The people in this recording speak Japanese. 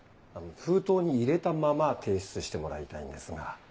封筒に入れたまま提出してもらいたいんですが。